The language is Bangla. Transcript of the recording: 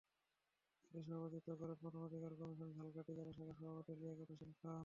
এতে সভাপতিত্ব করেন মানবাধিকার কমিশন ঝালকাঠি জেলা শাখার সভাপতি লিয়াকত হোসেন খান।